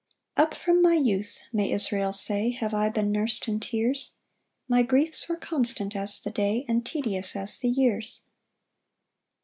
1 Up from my youth, may Israel say, Have I been nurs'd in tears; My griefs were constant as the day, And tedious as the years.